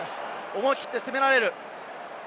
思い切って攻められる。